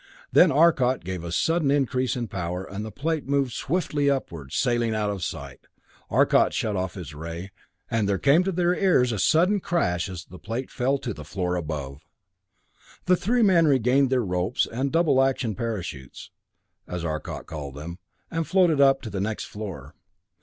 Then Arcot gave a sudden increase in power, and the plate moved swiftly upward, sailing out of sight. Arcot shut off his ray, and there came to their ears a sudden crash as the plate fell to the floor above. The three men regained their ropes and "double action parachutes" as Arcot called them, and floated up to the next floor.